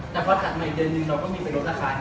แล้วก็ถัดมาอีกเดือนหนึ่งน้องก็มีไปรถอาคารก่อนด้วย